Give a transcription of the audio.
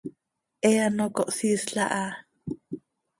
He ano cohsiisl aha.